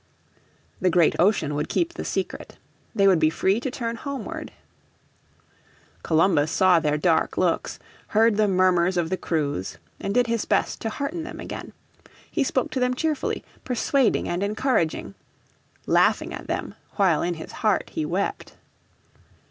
The great ocean would keep the secret. They would be free to turn homeward. Columbus saw their dark looks, heard the murmurs of the crews, and did his best to hearten them again. He spoke to them cheerfully, persuading and encouraging, "laughing at them, while in his heart he wept."